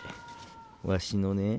わしのね